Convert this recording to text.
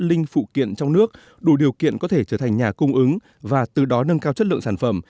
linh phụ kiện trong nước đủ điều kiện có thể trở thành nhà cung ứng và từ đó nâng cao chất lượng sản phẩm